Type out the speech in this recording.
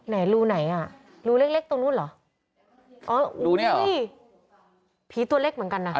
ไหนรูไหนอ่ะรูเล็กเล็กตรงนู้นเหรออ๋อดูเนี้ยผีตัวเล็กเหมือนกันน่ะ